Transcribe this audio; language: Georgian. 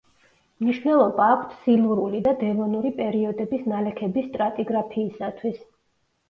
მნიშვნელობა აქვთ სილურული და დევონური პერიოდების ნალექების სტრატიგრაფიისათვის.